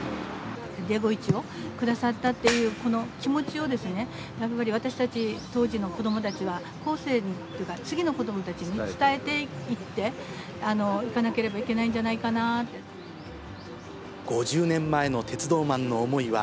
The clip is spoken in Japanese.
デゴイチをくださったっていうこの気持ちを、やっぱり私たち当時の子どもたちは、後世にっていうか、次の子どもたちに伝えていっていかなければいけないんじゃないか５０年前の鉄道マンの思いは、